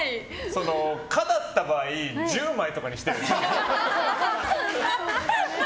その可だった場合１０枚とかにしてよ。